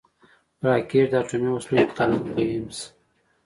راکټ د اټومي وسلو انتقالونکی هم شي